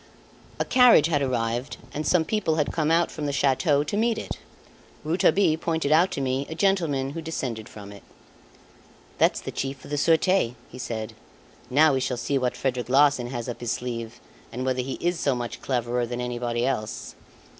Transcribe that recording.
A carriage had arrived and some people had come from the chateau to meet it. Rouletabille pointed out to me a gentleman who descended from it. "That's the Chief of the Surete" he said. "Now we shall see what Frederic Larsan has up his sleeve, and whether he is so much cleverer than anybody else."